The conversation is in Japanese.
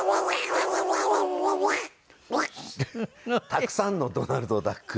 たくさんのドナルドダック。